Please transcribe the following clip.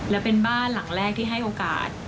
และเป็นบ้านหลังแรกที่ให้โอกาส